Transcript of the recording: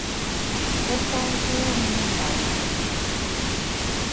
Pe ka njô mû nda lam-e ?